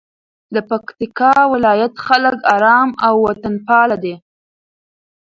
د پکتیکا ولایت خلک آرام او وطنپاله دي.